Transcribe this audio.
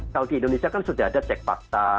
kalau di indonesia kan sudah ada cek fakta